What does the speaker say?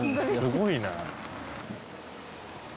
すごいな。